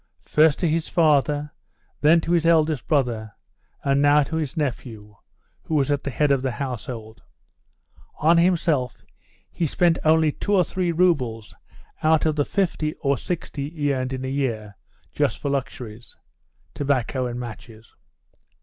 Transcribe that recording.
First to his father, then to his eldest brother, and now to his nephew, who was at the head of the household. On himself he spent only two or three roubles of the 50 or 60 he earned a year, just for luxuries tobacco and matches.